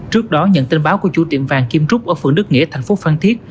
trước đó nhận tin báo của chủ tiệm vàng kim trúc ở phường đức nghĩa tp phan thiết